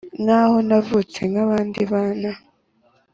Nkaho ntavutse nkabandi bana